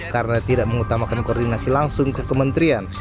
karena tidak mengutamakan koordinasi langsung ke kementerian